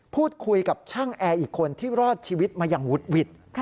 พูดคุยกับช่างแอร์อีกคนที่รอดชีวิตมาอย่างวุดหวิด